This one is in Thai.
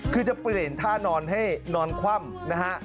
คือจะเปลี่ยนท่านอนให้นอนคว่ำนะฮะ